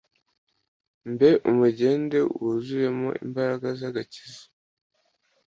Mbe umugende wuzuyemo imbaraga z’agakiza